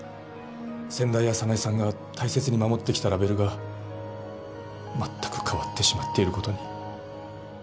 先代や早苗さんが大切に守ってきたラベルが全く変わってしまっている事に。